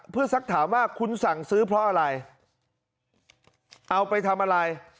เพื่อสักถามว่าคุณสั่งซื้อเพราะอะไรเอาไปทำอะไร